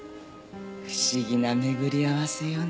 不思議なめぐり合わせよね。